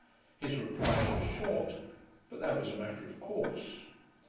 His replies were short, but that was a matter of course.